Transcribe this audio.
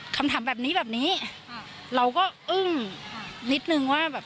คำถามแบบนี้เราก็อึ้งนิดนึงว่า